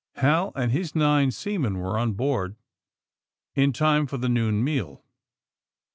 Hal and his nine seamen were on board in time for the noon meal.